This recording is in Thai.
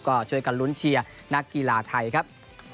ก็ช่วยกันลุ้นเชียร์นักกีฬาไทยครับ